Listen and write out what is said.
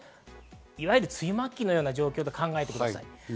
いわゆる梅雨末期のような状況と考えてください。